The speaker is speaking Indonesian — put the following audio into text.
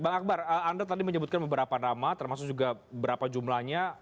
bang akbar anda tadi menyebutkan beberapa nama termasuk juga berapa jumlahnya